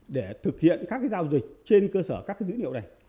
để thực hiện các giao dịch trên cơ sở các dữ liệu này